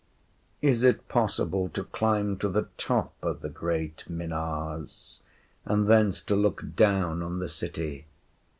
Is it possible to climb to the top of the great Minars, and thence to look down on the city?